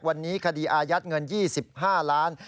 วันนี้คดีอายัดเงิน๒๕ล้าน